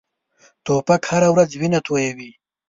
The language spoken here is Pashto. توپک هره ورځ وینه تویوي.